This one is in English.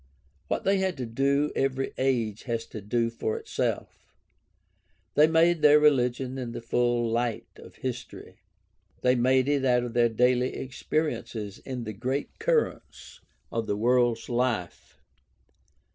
What they had to do every age has to do for itself. They made their religion in the full light of history. They made it out of their daily experiences in the great currents of the world's life.